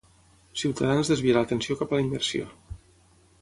Ciutadans desvia l'atenció cap a la immersió